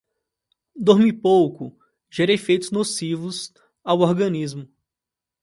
Dormir pouco gera efeitos nocivos ao organismo